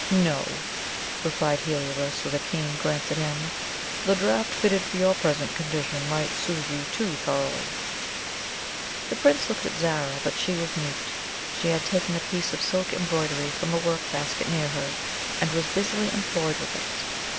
"No," replied Heliobas, with a keen glance at him; "the draught fitted for your present condition might soothe you too thoroughly." The Prince looked at Zara, but she was mute. She had taken a piece of silk embroidery from a workbasket near her, and was busily employed with it.